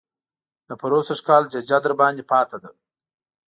د پروسږ کال ججه درباندې پاتې ده.